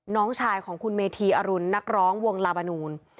น้องชายของคุณเมธีอรุณนักร้องวงลาบานูน